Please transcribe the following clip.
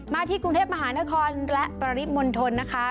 ที่กรุงเทพมหานครและปริมณฑลนะคะ